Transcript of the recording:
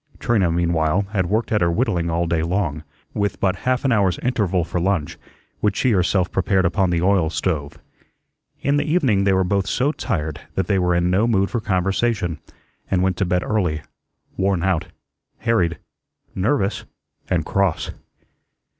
Trina, meanwhile, had worked at her whittling all day long, with but half an hour's interval for lunch, which she herself prepared upon the oil stove. In the evening they were both so tired that they were in no mood for conversation, and went to bed early, worn out, harried, nervous, and cross.